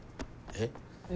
えっ？